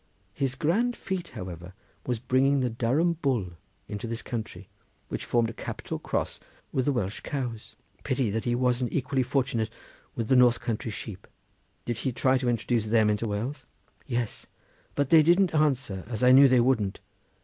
His grand feat, however, was bringing the Durham bull into this country, which formed a capital cross with the Welsh cows. Pity that he wasn't equally fortunate with the north country sheep." "Did he try to introduce them into Wales?" "Yes; but they didn't answer, as I knew they wouldn't.